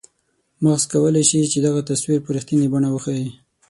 مغز کولای شي چې دغه تصویر په رښتنیې بڼه وښیي.